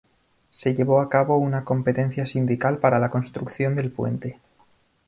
Se llevó a cabo una competencia sindical para la construcción del puente.